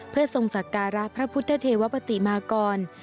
เพื่อทรงสักการะพระพุทธเทวปฏิมากร